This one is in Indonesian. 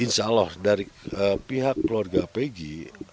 insya allah dari pihak keluarga pegi